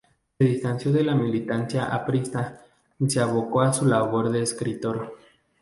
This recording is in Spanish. Se distanció de la militancia aprista y se abocó a su labor de escritor.